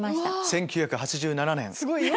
１９８７年。